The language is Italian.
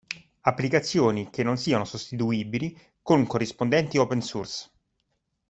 Applicazioni che non siano sostituibili con corrispondenti open source.